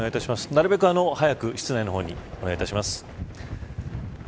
なるべく早く室内の方にお願いします。